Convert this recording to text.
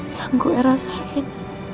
yang gue rasain